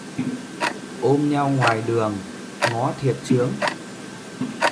Ôm nhau ngoài đường, ngó thiệt chướng